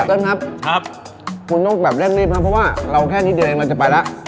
ต้นครับครับคุณต้องแบบเร่งรีบครับเพราะว่าเราแค่นิดเดียวเองมันจะไปแล้ว